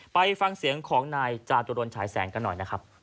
ไปฟังเสียงของนายจาตรวนฉายแสงกันหน่อย